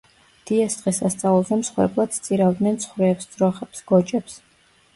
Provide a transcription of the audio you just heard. დიას დღესასწაულზე მსხვერპლად სწირავდნენ ცხვრებს, ძროხებს, გოჭებს.